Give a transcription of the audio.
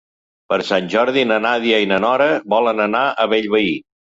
Per Sant Jordi na Nàdia i na Nora volen anar a Bellvei.